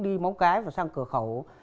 đi móng cái và sang cửa khẩu